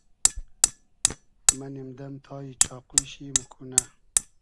مۂ نیم دئم تای چاقوی شی ، موکونۂ